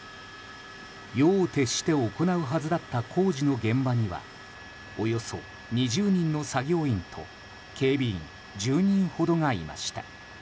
夜を徹して行うはずだった工事の現場にはおよそ２０人の作業員と警備員１０人ほどがいました。